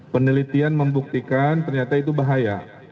penelitian membuktikan ternyata itu bahaya